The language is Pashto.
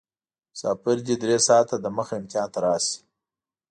مسافر دې درې ساعته دمخه میدان ته راشي.